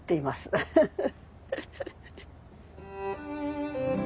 ウフフフ！